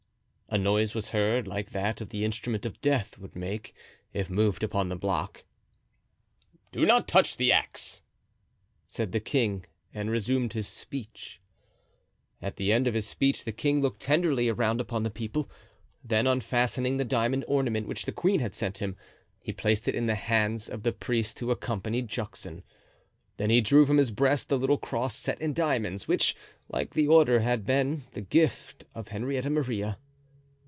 A noise was heard like that the instrument of death would make if moved upon the block. "Do not touch the axe," said the king, and resumed his speech. At the end of his speech the king looked tenderly around upon the people. Then unfastening the diamond ornament which the queen had sent him, he placed it in the hands of the priest who accompanied Juxon. Then he drew from his breast a little cross set in diamonds, which, like the order, had been the gift of Henrietta Maria.